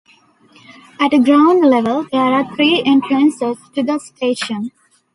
At ground level, there are three entrances to the station.